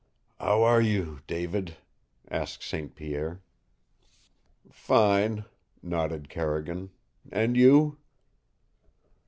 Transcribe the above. "How are you, David?" asked St. Pierre. "Fine," nodded Carrigan. "And you?"